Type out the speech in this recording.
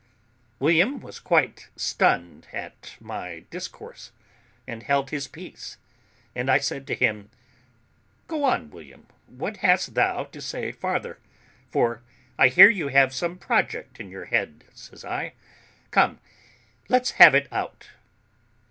William was quite stunned at my discourse, and held his peace; and I said to him, "Go on, William; what hast thou to say farther? for I hear you have some project in your head," says I; "come, let's have it out."